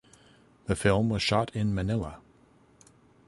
The film was shot in Manila